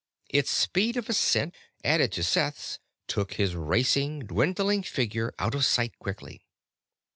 Its speed of ascent, added to Seth's took his racing, dwindling figure out of sight quickly.